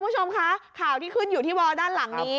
คุณผู้ชมคะข่าวที่ขึ้นอยู่ที่วอลด้านหลังนี้